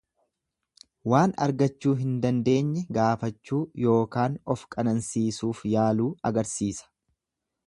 Waan argachuu hin dandeenye gaafachuu yookaan of qanansisuuf yaaluu agarsiisa.